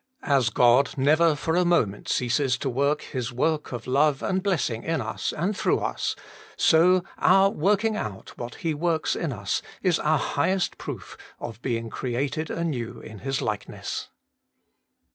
As God never for a moment ceases to work His work of love and blessing in us and through us, so our working out what He works in us is our highest proof of being created anew in His likeness.